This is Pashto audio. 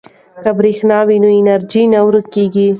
که برښنا وي نو انرژي نه ورکیږي.